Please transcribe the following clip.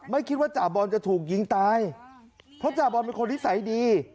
ไม่คิดว่าจ่าบอลจะถูกยิงตายเพราะจ่าบอลเป็นคนนิสัยดี